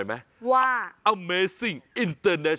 แก้ปัญหาผมร่วงล้านบาท